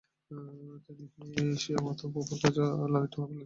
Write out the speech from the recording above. তিনি স্বীয় মাতা ও ফুফুর কাছে লালিত-পালিত হতে থাকেন।